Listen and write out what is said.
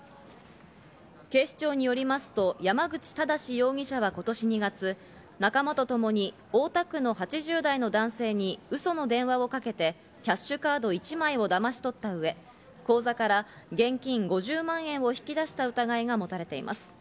警視庁よりますと山口淳容疑者は今年２月、仲間とともに、大田区の８０代の男性に嘘の電話をかけてキャッシュカード１枚をだまし取った上、口座から現金５０万円を引き出した疑いが持たれています。